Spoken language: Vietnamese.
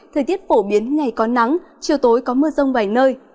thời tiết phổ biến ngày có nắng chiều tối có mưa rông vài nơi